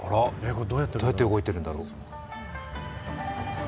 どうやって動いてるんだろう？